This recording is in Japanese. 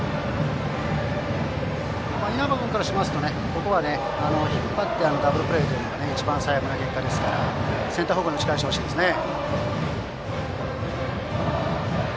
稲葉君からしますとここは引っ張ってダブルプレーというのは一番最悪な結果ですからセンター方向に打ち返してほしいですね。